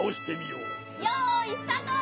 よいスタート！